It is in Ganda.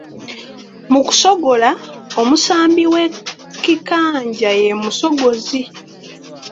Mu kusogola, omusambi w'ekikanja ye musogozi.